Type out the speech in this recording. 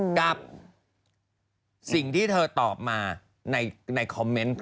กับสิ่งที่เธอตอบมาในคอมเมนต์